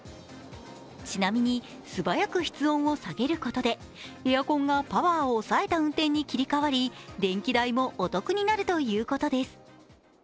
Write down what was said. ちなみに、素早く室温を下げることでエアコンがパワーを抑えた運転に切り替わり、電気代もお得になるということです。